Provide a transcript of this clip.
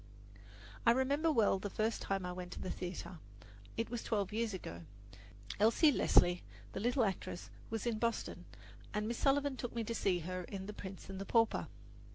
I remember well the first time I went to the theatre. It was twelve years ago. Elsie Leslie, the little actress, was in Boston, and Miss Sullivan took me to see her in "The Prince and the Pauper."